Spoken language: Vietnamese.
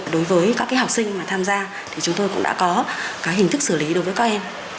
đối với các học sinh mà tham gia thì chúng tôi cũng đã có hình thức xử lý đối với các em